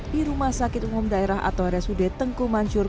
di rumah sakit umum daerah atau rsud tengku mancur